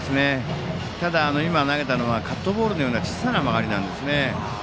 ただ、今投げたのはカットボールのような小さな曲がりなんですよね。